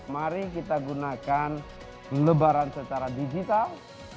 mari kita gunakan lebaran secara digital